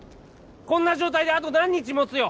こんな状態であと何日もつよ？